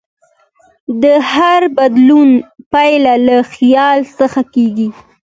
د هر بدلون پیل له خیال څخه کېږي.